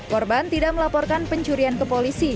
korban tidak melaporkan pencurian ke polisi